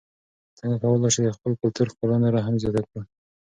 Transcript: څنګه کولای سو د خپل کلتور ښکلا نوره هم زیاته کړو؟